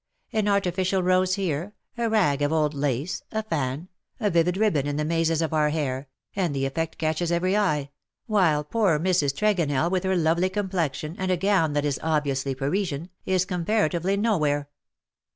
An artificial rose here — a rag of old lace — a fan — a vivid ribbon in the mazes of our hair — and the eflPect catches every eye — while poor Mrs. Tregonell, with her lovely complexion, and a gown that is obviously Parisian, is comparatively nowhere.